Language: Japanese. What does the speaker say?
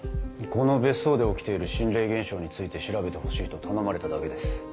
この別荘で起きている心霊現象について調べてほしいと頼まれただけです。